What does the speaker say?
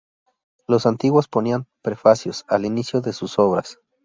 Los antiguos ponían "prefacios" al inicio de sus obras.